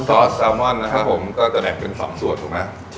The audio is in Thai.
ซอสแซลมอนนะครับผมก็จะแบ่งเป็น๒สูตรถูกไหม